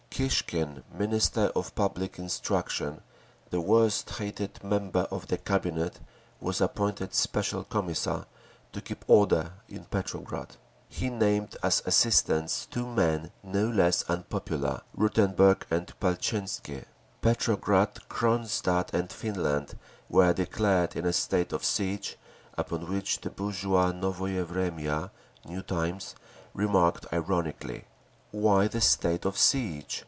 Kishkin, Minister of Public Instruction, the worst hated member of the Cabinet, was appointed Special Commissar to keep order in Petrograd; he named as assistants two men no less unpopular, Rutenburg and Paltchinsky. Petrograd, Cronstadt and Finland were declared in a state of siege—upon which the bourgeois Novoye Vremya (New Times) remarked ironically: Why the state of siege?